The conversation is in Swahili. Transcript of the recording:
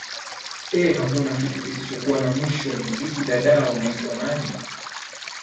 ee hakuna kitu kisichokuwa na mwisho muziki dada unaitwa nani